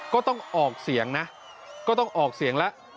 ก็ต้องออกเสียงนะก็ต้องออกเสียงแล้ว